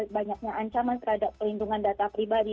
banyaknya ancaman terhadap pelindungan data pribadi